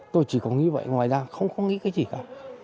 tôi chỉ có nghĩ vậy ngoài ra không có nghĩ cái gì cả